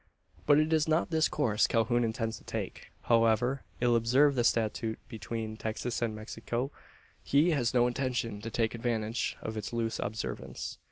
But it is not this course Calhoun intends to take. However ill observed the statute between Texas and Mexico, he has no intention to take advantage of its loose observance.